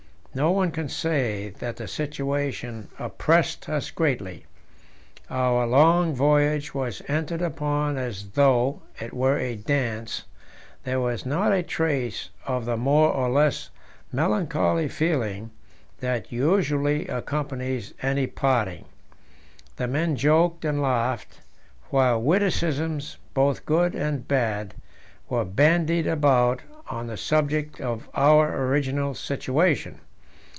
No one can say that the situation oppressed us greatly. Our long voyage was entered upon as though it were a dance; there was not a trace of the more or less melancholy feeling that usually accompanies any parting. The men joked and laughed, while witticisms, both good and bad, were bandied about on the subject of our original situation.